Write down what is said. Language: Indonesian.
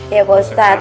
iya pak ustadz